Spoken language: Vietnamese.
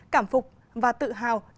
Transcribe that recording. cảm phục và tự hào